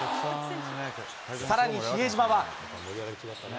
さらに比江島は。